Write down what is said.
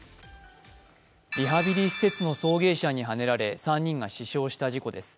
リハビリ施設の送迎車にはねられ３人が死傷した事故です。